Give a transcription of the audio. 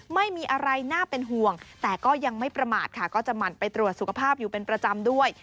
ไม่มีอะไรน่าเป็นห่วงแต่ก็ยังไม่ประมาทค่ะก็จะหมั่นไปตรวจสุขภาพอยู่เป็นประจำด้วย